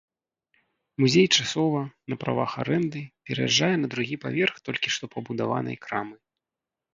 Музей часова, на правах арэнды, пераязджае на другі паверх толькі што пабудаванай крамы.